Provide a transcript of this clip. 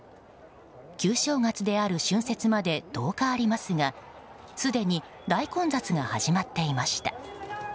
旧正月である春節まで１０日ありますがすでに大混雑が始まっていました。